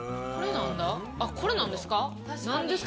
これ、なんですか？